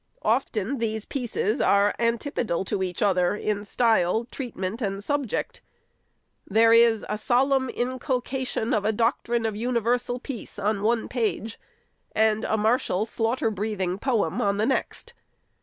Often, these pieces are antipodal to each other in style, treat ment, and subject. There is a solemn inculcation of the doctrine of universal peace on one page, and a martial, slaughter breathing poem on the next.